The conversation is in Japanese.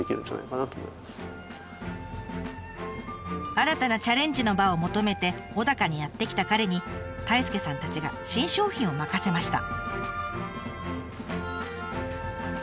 新たなチャレンジの場を求めて小高にやって来た彼に太亮さんたちが新商品を任せました。